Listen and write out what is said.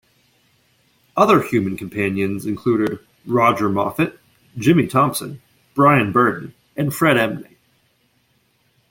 Other human companions included Roger Moffat, Jimmy Thompson, Bryan Burdon and Fred Emney.